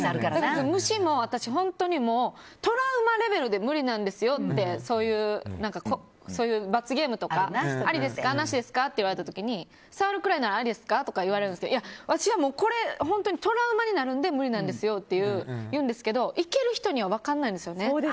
虫も私本当にトラウマレベルで無理なんですよって罰ゲームとかありですか、なしですかって言われた時に触るぐらいならありですか？とか言われるんですけど私はトラウマになるんで無理なんですよって言うんですけどいける人には分からないんですよね。